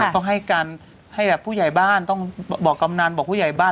ต้องให้แบบผู้ใหญ่บ้านต้องบอกกำนานพ่อผู้ใหญ่บ้าน